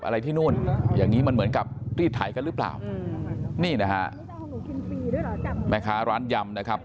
อะไรที่นู่นอย่างนี้มันเหมือนกับรีดไถกันหรือเปล่านี่นะฮะแม่ค้าร้านยำนะครับ